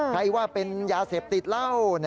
ใครว่าเป็นยาเสพติดเหล้า